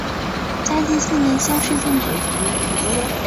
嘉靖四年乡试中举。